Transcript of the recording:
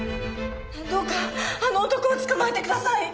どうかあの男を捕まえてください！